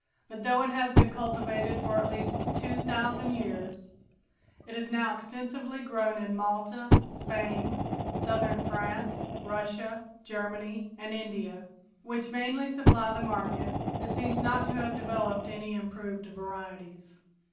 But though it has been cultivated for at least two thousand years and is now extensively grown in Malta, Spain, southern France, Russia, Germany and India, which mainly supply the market, it seems not to have developed any improved varieties.